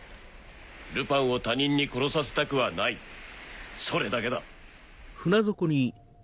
ルパンを他人に殺させたくはないそれだけだ。